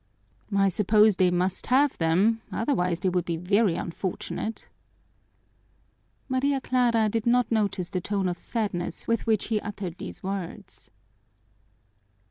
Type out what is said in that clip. "I suppose they must have them, otherwise they would be very unfortunate." Maria Clara did not notice the tone of sadness with which he uttered these words.